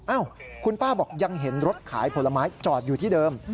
อ้าวคุณป้าบอกยังเห็นรถขายผลไม้จอดอยู่ที่เดิม